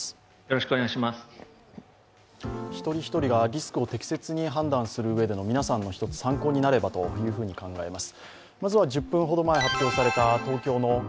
一人一人がリスクを適切に判断するうえでの皆さんの参考になればと考えます。